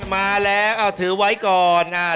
มาแล้วเอาถือไว้ก่อน